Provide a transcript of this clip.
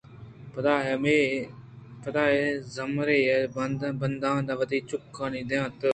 پاد ءَ ئےِ زمزیلے ءَ بندان ءُ وتی چُکّانی دنت